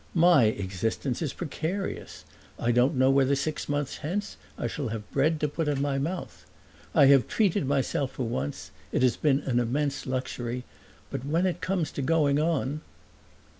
My existence is precarious. I don't know whether six months hence I shall have bread to put in my mouth. I have treated myself for once; it has been an immense luxury. But when it comes to going on